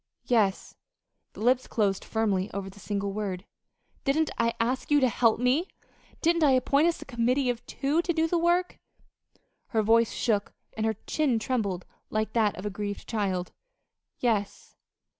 "Yes." The lips closed firmly over the single word. "Didn't I ask you to help me? Didn't I appoint us a committee of two to do the work?" Her voice shook, and her chin trembled like that of a grieved child. "Yes."